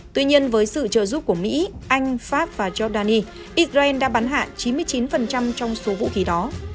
tuy nhiên với sự trợ giúp của mỹ anh pháp và giordani israel đã bắn hạ chín mươi chín trong số vũ khí đó